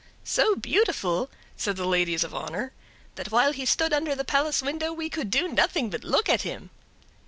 "So beautiful," said the ladies of honor, "that while he stood under the palace window we could do nothing but look at him."